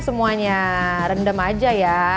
semuanya rendam aja ya